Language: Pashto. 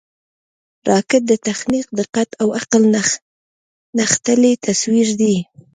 راکټ د تخنیک، دقت او عقل نغښتلی تصویر دی